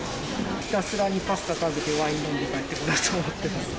ひたすらにパスタ食べて、ワイン飲んで帰ってこようと思ってます。